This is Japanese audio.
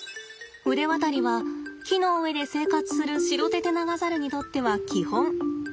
腕渡りは木の上で生活するシロテテナガザルにとっては基本。